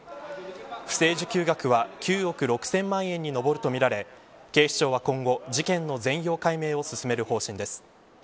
不正受給額は９億６０００万円に上るとみられ警視庁は今後事件の全容解明を進める方針です。